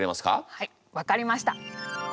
はい分かりました。